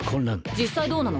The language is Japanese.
実際どうなの？